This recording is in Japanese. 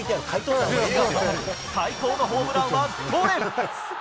由伸さん、最高のホームランはどれ？